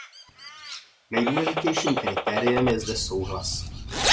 Nejdůležitějším kritériem je zde souhlas.